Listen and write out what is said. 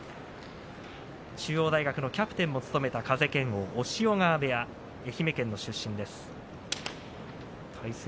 中央大学のキャプテンも務めた風賢央、押尾川部屋愛媛県の出身です。